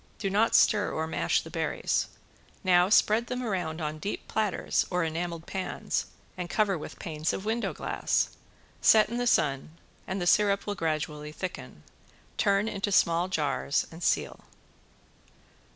Do not stir or mash the berries. Now spread them around on deep platters or enameled pans and cover with panes of window glass. Set in the sun, and the syrup will gradually thicken. Turn into small jars and seal.